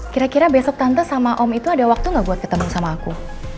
kira kira besok tante sama om itu ada waktu gak buat ketemu sama aku